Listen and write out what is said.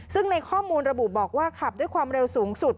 ซึ่งในข้อมูลระบุบอกว่าขับด้วยความเร็วสูงสุด